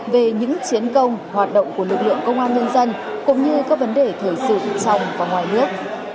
về những chiến công hoạt động của lực lượng công an nhân dân cũng như các vấn đề thời sự trong và ngoài nước